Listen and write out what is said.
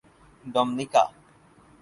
Dominica